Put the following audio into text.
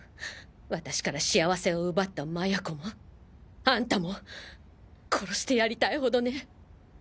私から幸せを奪った麻也子もあんたも殺してやりたいほどね。